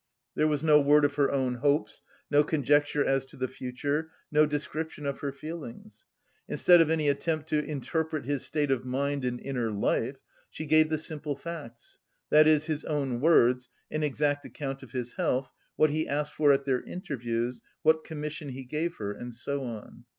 There was no word of her own hopes, no conjecture as to the future, no description of her feelings. Instead of any attempt to interpret his state of mind and inner life, she gave the simple facts that is, his own words, an exact account of his health, what he asked for at their interviews, what commission he gave her and so on.